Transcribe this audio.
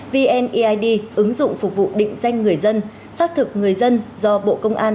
vneid ứng dụng phục vụ định danh người dân xác thực người dân do bộ công an